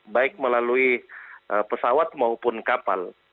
baik melalui pesawat maupun kapal